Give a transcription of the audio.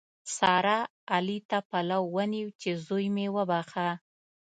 سارا؛ علي ته پلو ونیو چې زوی مې وبښه.